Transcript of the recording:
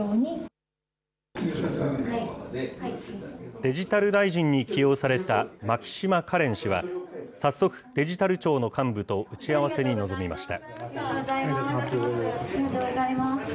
デジタル大臣に起用された牧島かれん氏は、早速、デジタル庁の幹部と打ち合わせに臨みました。